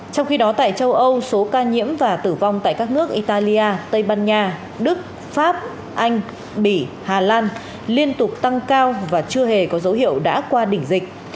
trong khi đó tại châu âu số ca nhiễm và tử vong tại các nước italia tây ban nha đức pháp anh bỉ hà lan liên tục tăng cao và chưa hề có dấu hiệu đã qua đỉnh dịch